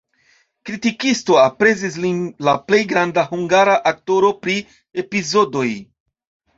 Kritikistoj aprezis lin la plej granda hungara aktoro pri epizodoj.